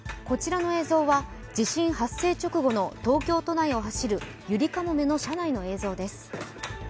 こちらの映像は地震発生直後の東京都内を走るゆりかもめの車内の映像です。